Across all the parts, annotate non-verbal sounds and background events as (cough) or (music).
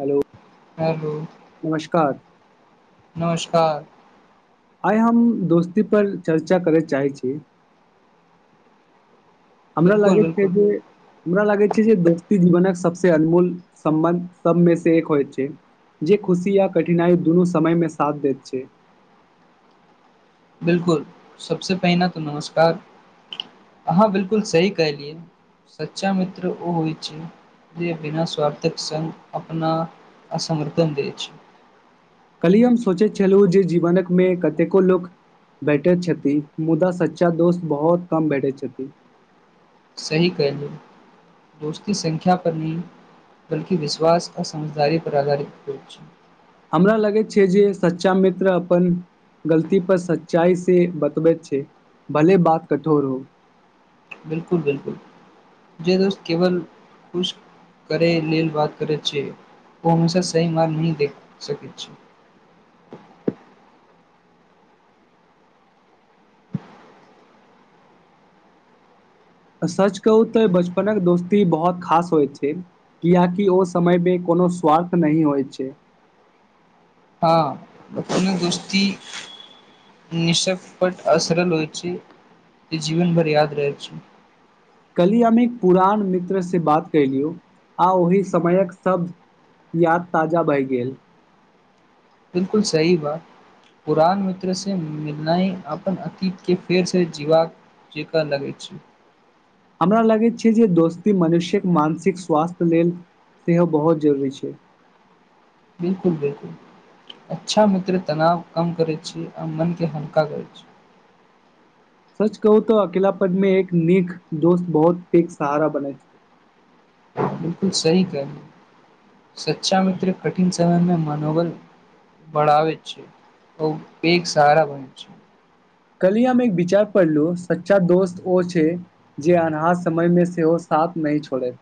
Hello hello नमस्कार। नमस्कार आइ हम दोस्तीपर चर्चा करय चाहै छी। हमरा बिल्कुल लागैत छै बिल्कुल जे हमरा लागै छै जे दोस्ती जीवनक सबसे अनमोल सम्बन्ध सबमे से एक होइ छैय जे खुशी य कठिनाइ दुनू समय मे साथ दैत छैय। बिलकुल सबसे पहिने तऽ नमस्कार अहाँ बिलकुल सही कलियै सच्चा मित्र ओ होइ छैय जे बिना स्वार्थक संग अपना असर्थन दै छैय। कल्हि हम सोचैत छलहुँ जे जीवनकमे कतेको लोक बैठैत छथिन मुदा सच्चा दोस्त बहुत कम बैठैत छथिन सही कहलिए दोस्ती संख्या पर नहि बल्कि विश्वास आ समझदारी पर आधारित होए छैय। हमरा लगैत छैय जे सच्चा मित्र अपन गलती पर सच्चाइ से बतबैत छैय भले बात कठोर हो। बिलकुल बिलकुल जे दोस्त केवल कुछ करै लेल बात करैत छैय ओ हमेशा सही मार नही देख सकैत छैय। सच कहू तऽ बचपनक दोस्ती बहुत खास होइ छै कियकि ओ समयमे कोनो स्वार्थ नही होइत छैय। हँ बचपनक दोस्ती निशकपट असरल होइ छैय जीवन भर याद रह छैय। कलीमे एक पुरान मित्रसे बात कयलियौ आ ओहि समयक सब याद ताजा भै गेल। बिलकुल सही बात पुरान मित्र से मिलना अपन अतीत के फेर से जीवा जकां लगैत छैय। हमरा लगैत छै जे दोस्ती मनुष्यक मानसिक स्वास्थ्य लेल सेहो बहुत जरूरी छैय। बिलकुल बिलकुल अच्छा मित्र तनाव कम करै छी आ मन के हलका करै छी। सच कहू तऽ अकेलपनमे एक नीक दोस्त बहुत पैग सहारा बनेै छैय। बिलकुल सही कहलिये सच्चा मित्र कठिन समयमे मनोबल बढ़ावे छैय, ओ पेग सहारा बने छैय। कलिये हम एक विचार पढ़लु सच्चा दोस्त ओ छैय जे अन्हार समय मे सेहो साथ न छोड़ै।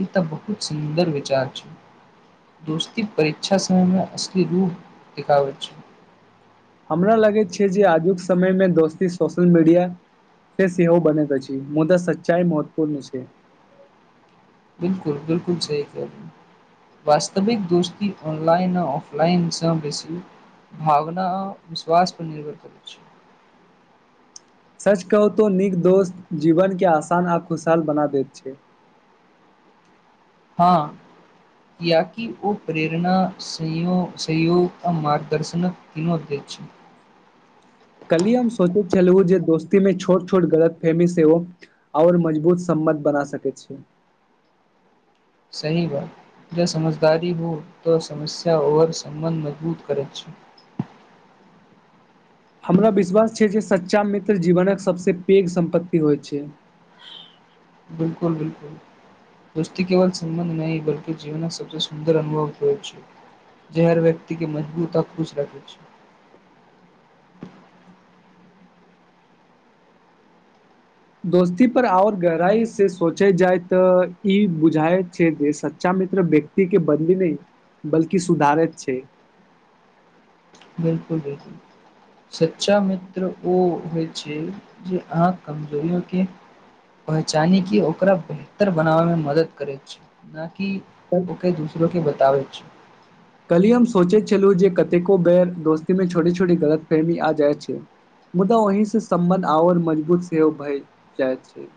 ई तऽ बहुत सुन्दर विचार छैय दोस्ती परीक्षा समय मे असली रूप देखाबैत छैय। हमरा लगैत छैय जे आजुक समयमे दोस्ती सोशल मीडिया सेहो बनैत अछि मुदा सच्चाइ महत्वपूर्ण छैय। बिलकुल बिलकुल सही कहलिये वास्तविक दोस्ती ऑनलाइन आ ऑफलाइन स बेसी भावना आ विश्वास पर निर्भर करै छैय। सच कहू तो नीक दोस्त जीवन के आसान आ खुशहाल बना दैत छैय। हँ कियाकि ओ प्रेरणा, संयोग आ मार्गदर्शनक तीनो दे छैय। कलिय हम सोचैत छलहु जे दोस्तीमे छोट छोट गलतफहमी सेहो और मजबूत सम्बन्ध बना सकैत छैय। सही बात ज समझदारी हो तऽ समस्या और सम्बन्ध मजबूत करैत छैय। हमरा विश्वास छैय जे सच्चा मित्र जीवनक सभसँ पैघ सम्पत्ति होइत छैय। बिलकुल बिलकुल दोस्ती केवल सम्बन्ध नहि बल्कि जीवनक सबसँ सुन्दर अनुभव होए छैय जे हर व्यक्ति के मजबूत आ खुश रखै छैय। दोस्ती पर और गहराई से सोचल जाय तऽ ई बुझाइत छै जे सच्चा मित्र व्यक्ति के बंदी नहि बल्कि सुधारैत छैय। बिलकुल बिलकुल सच्चा मित्र ओ होइ छैय जे अहाँ कमजोरियो के पहचानी के ओकरा बेहतर बनाबय मे मदद करैत छैय। कि ओकर दूसरोे बच बताबैय छी। कली हम सोचैत छलहुँ जे कतेको बेर दोस्ती मे छोटे छोटी गलतफहमी आ जाइत छैय मुदा ओहि से सम्बन्ध और मजबूत सेहो भए जाइत छैय।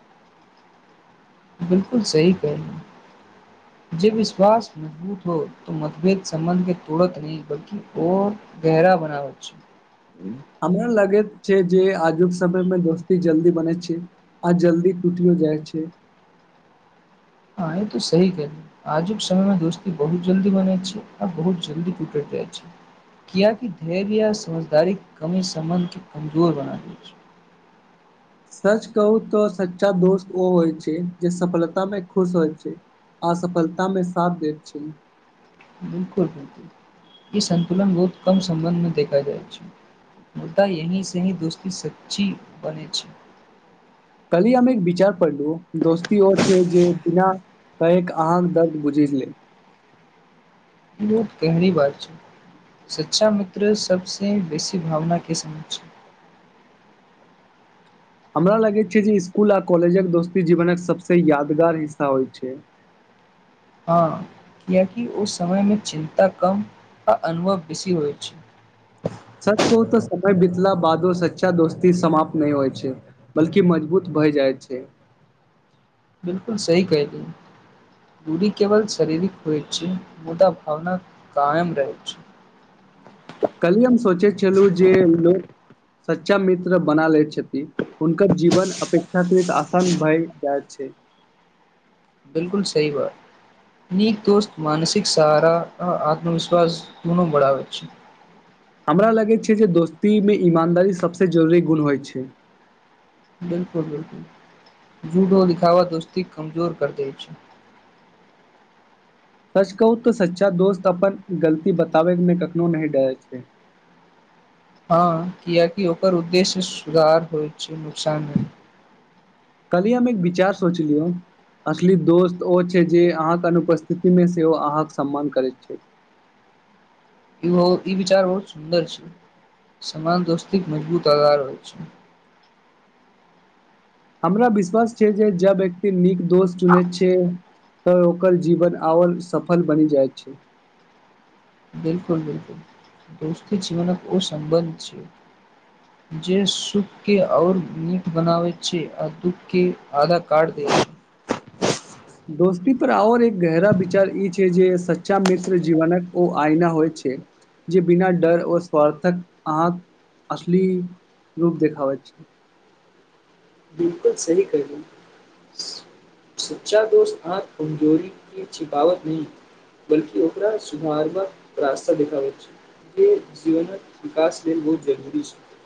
बिलकुल सी कहल जे विश्वास मजबूत हो त मतभेद सम्बन्ध के तोड़त नहि बल्कि र गहरा बना बै छैय। हमरा लगे छै जे आजुक समय मे दोस्ती जल्दी बने छैय आ जल्दी टूटियो जाइ छैय। आंए तू सही कहली आजुक समय मे दोस्ती बहुत जल्दी बने छैय आ बहुत जल्दी टुट जाइ छैय कियकि धैर्य समझदारी कमी सम्बन्ध के कमजोर बना द छैय। सच कहू तऽ सच्चा दोस्त ओ होइ छैय जे सफलता में खुश होइ छैय असफलता मे साथ दैत छैय। बिलकुल बिलकुल ई संन्तुलन बहुत कम सम्बन्ध मे देखा जाय छैय मुदा यही से ही दोस्ती सच्ची बने छैय। कली हम एक विचार पल दोस्त ओ छै जे बिना कैक अहाँक दर्द बुझि लै ई बहुत गहरी बात छै सच्चा मित्र सबबसे बेसी भावना के सम छै हमरा लगैत छै जे इसकुल आ कॉलेजक दोस्ती जीवनक सभसँ यादगार हिस्सा होइत छै हँ कियकि ओ समयमे चिन्ता कम आ अनुभव बेसी होइ छै सच कहू तऽ समय बीतला बादो सच्चा दोस्ती समाप्त नहि होइ छै बल्कि मजबूत भय जाइ छै बिलकुल सही कहिली दूरी केवल शारीरिक हो छैय मुदा भावना कायम रहै छैय। कलही हम सोचैत छलहुँ जे लोक सच्चा मित्र बना लैत छथि हुनकर जीवन अपेक्षाकृत आसान भए जाइत छैय। बिलकुल सही बात नीक दोस्त मानसिक सहारा आ आत्मविश्वास दूनो बढ़ावैत छैय। हमरा लगैत छै जे दोस्तीमे ईमानदारी सभसँ जरूरी गुण होइत छै बिलकुल बिलकुल जूडो दिखाव दोस्ती कमजोर कर दै छै सच कहू तऽ सच्चा दोस्त अपन गलती बताबैमे कखनो नहि डरै छै हँ किियकि ओकर उद्देश्य सुधार होइत छै नुकसान नहि कह हम एक विचार सोचलिय असली दोस्त ओ छै जे अहाँके अनुपस्थिति मे सेहो अहाँके सम्मान करैत छै ई ई विचार बहुत सुन्दर छै सन दोस्ती मजबूत आधार होइ छै हमरा विश्वास छिय जे जा व्यक्ति नीक दोस्त चुने छै तऽ ओकर जीवन आओर सफल बनि जाइत छै बिलकुल बिलकुल दोस्ती जीवनक ओ सं्बन्ध छै जे सुख के आओर नीीक बनाब छै आ दुःख के आधा काढ़ द छै दोस्ती पर आओर एक गहरा विचार ई छै जे सच्चा मित्र जीवनकक ओ आइना होइ छै जे बिना डर ओऔ स्व्थक अक असली रूप देखाबै छै बकुल सी करल सच्चा दोष आ कमजोरी के छिपावट नहि बल्कि ओकरा सुधारवा रास्ता देखाबै छै जे जीवन विकास लेल बहुत जरूरी छै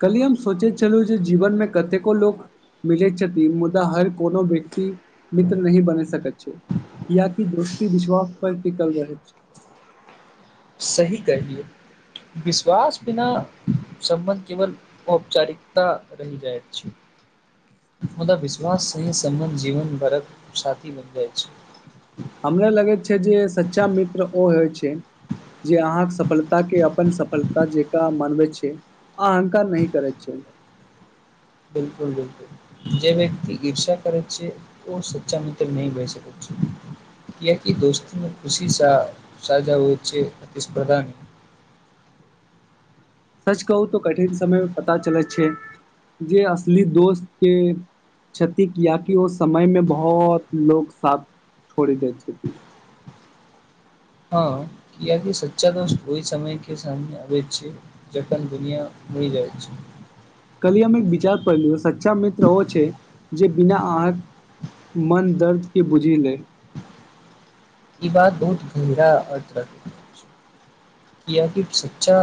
कली हम सोचे छलहु जे जीवन मे कतेको लोक मिलै छथिन मुदा हर कोनो व्यक्ति मित्र नहिी बन सकैत छै यियकि दोस्ती विश्वास पर टिकल रहै छै सही कर लियए विश्वास बिना सम्बन्ध केवल औपचारिकता रहि जाइत छै मुदा विश्वास सही सम्बन्ध जीवन भरक साथी बनि जाइ छै हमरा लगैत जे सच्चा मित्र ओ होइ छै जे अहाँके सफलता के अपन सफलता जेक मनबै छै अहंक नहिह करै छै बिलकुल बिलकुल जे व्यक्त ईर्षा करै छै ओ सच्चा मित्र नह भहि स छै कियकि दोस्त खुशी सा साजा होइ छै अतिस्पर्धा नहि सच कहू तऽ कठिन समय मे पता चलै छै जे असली दोस्त के क्षति किियकि ओ समय मे बहुत लो साथ छोड़ि द छथि हँ किियकि सच्चा दोस्त ओहि समयके सामने आबैत छै जखन दुनििया मरि जाइत छै कली हम एक विचार पढ़लिय सच्चा मित्र ओ छै जे बिना अहाँके मन दर्द के बुझि ले ई बात बहुत गहरा अर्थर क किि सच्चा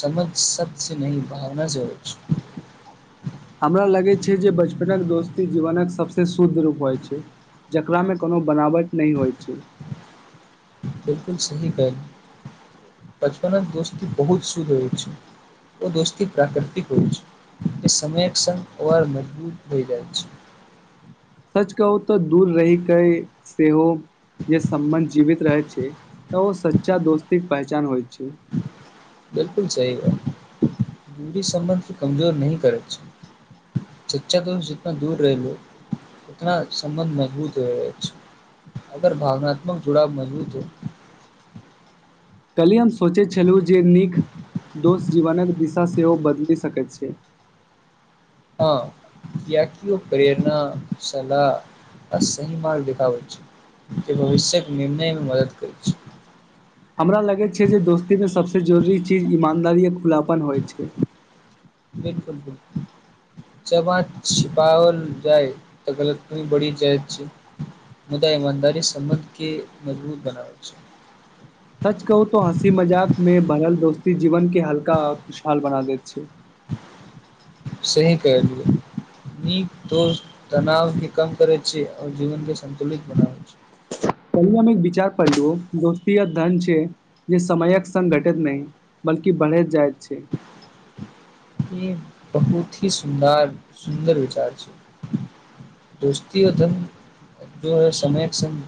समझ सब से न भावना जर हमरा लगै छै जे बचपनक दोस्ती जीवनक सभसँ शुद्ध रूप होइ छै जकरामे कोनो बनावट नहि होइ छै बिलकुल सही कहै बचपन दोस्ती बहुत शुद्ध होइ छै ओ दोस्ती प्राकृतिक होइ छै जे समयक्षम अवर मजबूत होइ जाइत छै सच कह ओ तऽ दूर रहिकेऽ सेहो जे सम्बन्ध जीवित रहै छै तऽ ओ सच्चा दोस्तीक पहचान होइ छै बिलकुल सही है दूरी सम्बन्ध क कमजोर न करै छै चच्चा दोष जितना दूर रह लो उतना सम्बन्ध मजबूत रह जा छै अगर भावनात्मक जुड़ाव मजबूत हो कल्हिी हम सोचैत छलहुँ जे नीक दोष जीवनक दिशा सेहो बदलि सकैत छै हँ किियकि ओ प्रेरणा सलाह आ सही मार्ग देखाबैत छै जे भविष्यके निर्णयमे मदद करैत छै हमरा लगैत छै जे दोस्तीमे सभसँ जरूरी चीज ईमानदारी आ खुलापन होइत छै बिलकुल बकु जब आ छिपावल जाइ तऽ गलती बढ़ी जाइत छै मुदा इमानदारी सं्बध के मजबूत बनाबै छै सच कहूो हँसी मजाक में भरल दोस्ती जीवन के हल्का खुशहाल बना देत अ छै सही केलियै नीक दोस तनावके कम करैत छी आओर जीवने संन्तुलित बनाबैत छी कहि हम एक विचार पढ़लु दोस्ती य धन छै जे समयक संगङ् घटैत नहि बल्कि बढ़ैत जाइतत क (unintelligible) (unintelligible) बहुती सुन्दर सुन्दर विचार छै दोस्तओ धन ज ह समयक्षम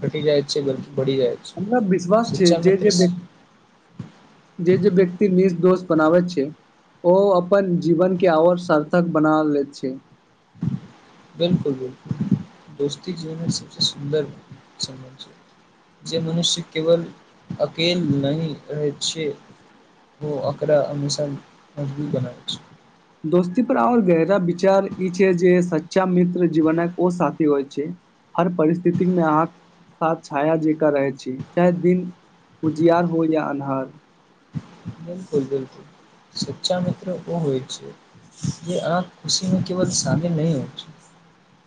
घटी जाइत छै ब हमरा विश्वास छै, जे जे व जे जे व्यक्त निस दोस्त बनाबैत छै ओ अपन जीवनके आओर सार्थक बना लैत छै। बिलकुल बिलकुल दोस्ती जीवन सब सुन्दर सम छै जे मनुष्य केवल अकेल नहिह रह छै ओ अकरा हमेशा मजबूत बनाब छै। दोस्ती पर आर गहरा विचार ई छै जे सच्चा मित्र जीवनक ओ साथी होइ छै हर परिस्थिति मे अहाँ साथ छाया जक रहै छी चाहे दिन। कुजियार हो या अन्हार बिलकुल बिलकुल सच्चा मित्र ओ होइ छै जे आ खुशी न केवल साम न होइ छै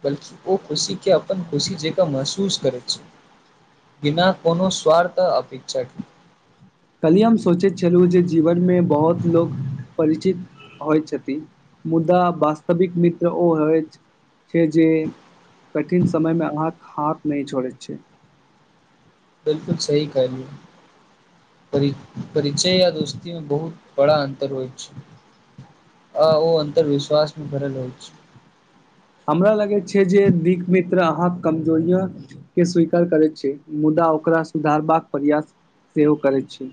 बल्कि ओ खुशी के अपनन खुशी जेक महसूस करै छै बिना कोनो स्वार्थ अपे्षा के कलियम (unintelligible) सोचैत छलहुँ जे जीवनमे बहुत लोक परिचित होइ छथि मुदा वास्तविक मित्र ओ होइत छै जे कठिन समय मे अहाँके हाथ नहि छोड़ैत छै बिलकुल सही कहलिय पर परिचय या दोस्तीमे बहुत बड़ा अन्तर होइत छै, आ ओ अन्तर विश्वास मे भरल होइ छै। हमरा लगैत छै जे दिक मित्र अहाँक कमजोरिय के स्वीकार करैत छै, मुदा ओकरा सुधारबाक प्रयास सेहो करैत छै।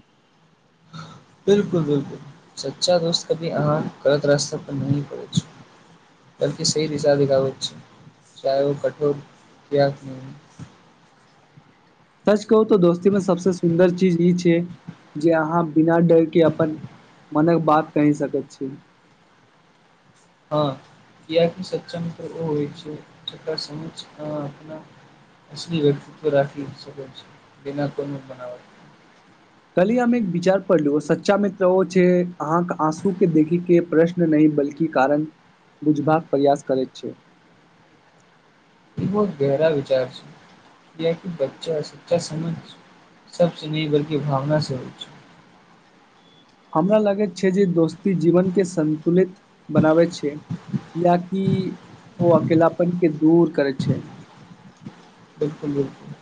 बिलकुल बिलकुल सच्चा दोस्त कभी अहाँ गलत रास्ता पर नहं पड़ै छै बल्कि सही दिशा दगावैत छै चाहे ओ कठोर क नहि हो। सच कहू तऽ दोस्ती मे सबस सुन्दर चीज ई छै जे अहाँ बिना डरके अपन मने बात कहि सक छी। क सच्च होइ छैक सम अपना असल व्यक्तित्व रखीक छै बिना कोनो बनावट कली हम एक विचार पढ़लु सच्चा मित्रो छै अहाँके आँसू के देखी के प्रश्न नहि बल्कि कारण ुझ भाग प्रयास करैत छै। ई बहुत गहरा विचार छै यक बच्चा सच्चा समझ सबचसँ न बल्ि भावना से होच छै। हमरा लागै छै जे दोस्त व्यक जीवनके संन्तुलित बनाबै छै किियकि ओ अकेलापन के दूर करै छै। बिलकुल बिलकुल